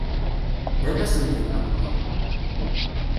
Ddan-asen di nneqma.